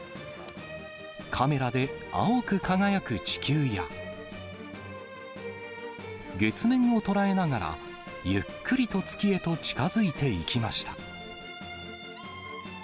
カメラで青く輝く地球や、月面を捉えながら、ゆっくりと月へと近づいていきました。